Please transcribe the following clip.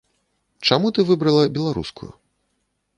Чаму ты выбрала беларускую?